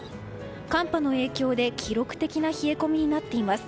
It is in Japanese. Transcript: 寒波の影響で記録的な冷え込みになっています。